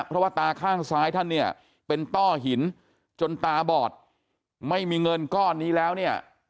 เพราะว่าตาข้างซ้ายท่านเนี่ยเป็นต้อหินจนตาบอดไม่มีเงินก้อนนี้แล้วเนี่ย